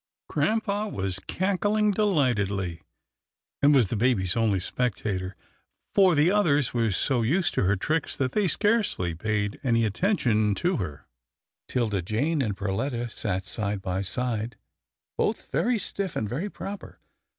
Grampa was cackling delightedly, and was the baby's only spectator, for the others were so used to her tricks that they scarcely paid any attention to her. 'Tilda Jane and Perletta sat side by side, both very stiff and very proper.